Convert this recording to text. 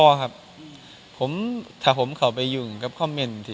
ไม่ครับถ้าผมเขาไปยุ่งก็คอมเมนท์